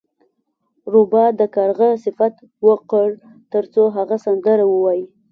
روباه د کارغه صفت وکړ ترڅو هغه سندره ووایي.